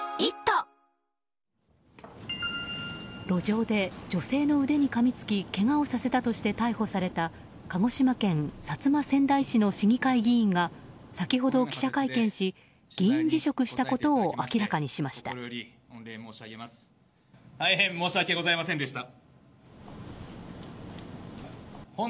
路上で女性の腕にかみつきけがをさせたとして逮捕された鹿児島県薩摩川内市の市議会議員が先ほど、記者会見し議員辞職したことを大変申し訳ございませんでした。